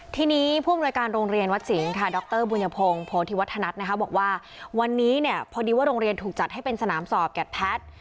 ทีนี้ผู้อำนวยการโรงเรียนวัดสิงห์ค่ะดรบุญพงศ์โพธิวัฒนัทนะคะบอกว่าวันนี้เนี่ยพอดีว่าโรงเรียนถูกจัดให้เป็นสนามสอบแกดแพทย์